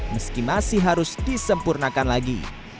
meski masih harus disempurnakan lagi